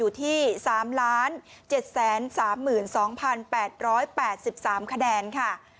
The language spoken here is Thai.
อยู่ที่๓๗๓๒๘๘๓คะแนนค่ะ